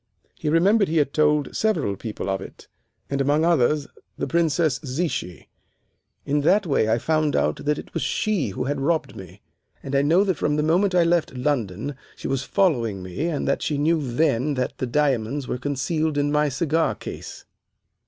He remembered he had told several people of it, and among others the Princess Zichy. In that way I found out that it was she who had robbed me, and I know that from the moment I left London she was following me and that she knew then that the diamonds were concealed in my cigar case.